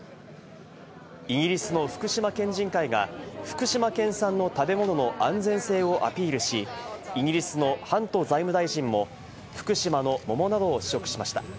イギリスの福島県人会が福島県産の食べ物の安全性をアピールし、イギリスのハント財務大臣も福島の桃などを食指ました。